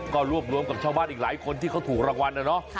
ก็รวบรวมกับชาวบ้านอีกหลายคนที่เขาถูกรางวัลนะเนาะ